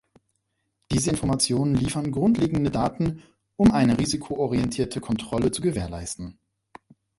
Diese Informationen liefern grundlegende Daten, um eine risikoorientierte Kontrolle zu gewährleisten.